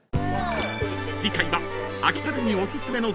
［次回は］